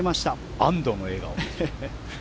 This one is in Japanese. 安どの笑顔。